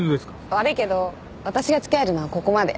悪いけど私が付き合えるのはここまで。